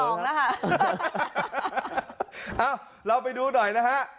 เอ้าเราไปดูหน่อยนะฮะ